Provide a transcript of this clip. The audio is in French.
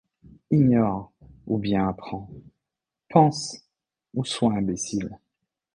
Ignore, ou bien apprends ; pense, ou sois imbécile.